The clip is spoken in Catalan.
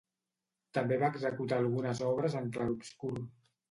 També va executar algunes obres en clarobscur.